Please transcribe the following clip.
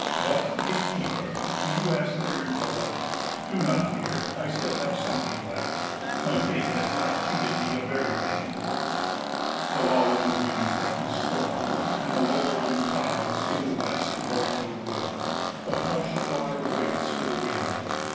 But, gatekeeper, do you ask for your toll? Do not fear, I have still something left. My fate has not cheated me of everything. The lull in the wind threatens storm, and the lowering clouds in the west bode no good. The hushed water waits for the wind.